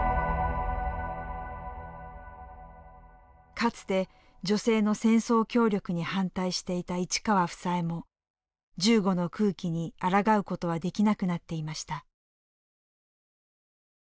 かつて女性の戦争協力に反対していた市川房枝も銃後の空気にあらがうことはできなくなっていました。